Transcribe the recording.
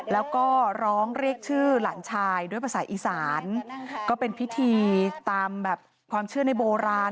แล้วก็ร้องเรียกชื่อหลานชายด้วยภาษาอีสานก็เป็นพิธีตามแบบความเชื่อในโบราณ